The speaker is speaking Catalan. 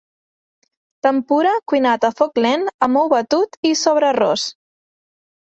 Tempura cuinat a foc lent amb ou batut i sobre arròs.